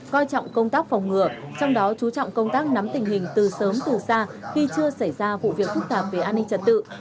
coi trọng công tác phòng ngừa trong đó chú trọng công tác nắm tình hình từ sớm từ xa khi chưa xảy ra vụ việc phức tạp về an ninh trật tự